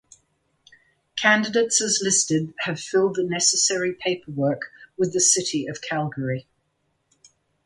Candidates as listed have filed the necessary paperwork with the City of Calgary.